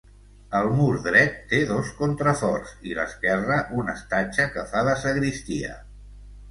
El mur dret té dos contraforts i l'esquerra un estatge que fa de sagristia.